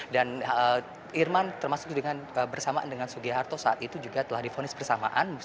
dan irman termasuk bersamaan dengan soegiharto saat itu juga telah difonis bersamaan